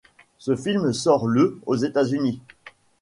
Ce film sort le aux États-Unis.